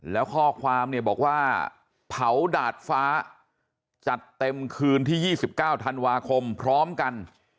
แล้วข้อความเนี่ยบอกว่าเผาดาดฟ้าจัดเต็มคืนที่๒๙ธันวาคมพร้อมกัน